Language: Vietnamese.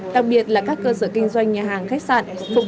đặc biệt là các cơ sở kinh doanh nhà hàng khách sạn